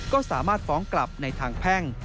ก็สามารถฟ้องกลับในทางแพ่ง